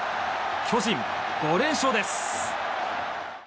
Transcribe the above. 巨人、５連勝です。